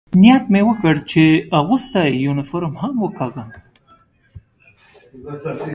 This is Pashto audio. نیت مې وکړ، چې اغوستی یونیفورم هم وکاږم.